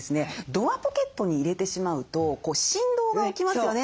ドアポケットに入れてしまうと振動が起きますよね